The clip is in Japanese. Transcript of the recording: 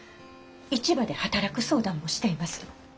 市場で働く相談もしています。